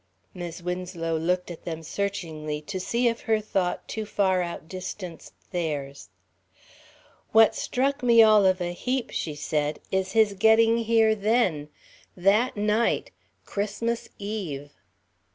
Mis' Winslow looked at them searchingly to see if her thought too far outdistanced theirs. "What struck me all of a heap," she said, "is his getting here then. That night. Christmas Eve."